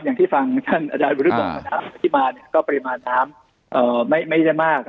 อย่างที่ฟังท่านอาจารย์วุฒิบอกที่มาเนี่ยก็ปริมาณน้ำไม่ได้มาก